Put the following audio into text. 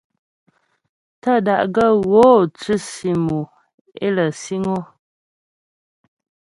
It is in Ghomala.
Tə́ da'gaə́ gho tʉsì mò é lə siŋ o.